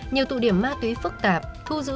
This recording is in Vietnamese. nhiều tụ điểm ma túy phức tạp thu giữ